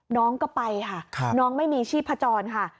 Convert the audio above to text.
น้องก็ไปค่ะน้องไม่มีชีพจรค่ะ